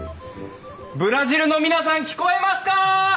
ブラジルの皆さん聞こえますか！